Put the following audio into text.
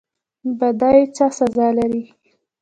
بدی څه سزا لري؟